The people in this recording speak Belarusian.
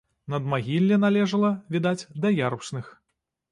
Надмагілле належала, відаць, да ярусных.